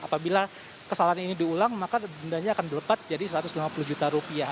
apabila kesalahan ini diulang maka dendanya akan dilepat jadi satu ratus lima puluh juta rupiah